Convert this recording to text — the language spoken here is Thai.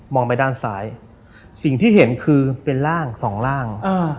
ไปด้านซ้ายสิ่งที่เห็นคือเป็นร่างสองร่าง